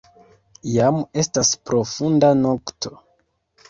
Jam estas profunda nokto.